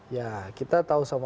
ya kita tahu sama